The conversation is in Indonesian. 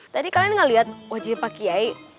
tadi kalian gak liat wajah pak kiayi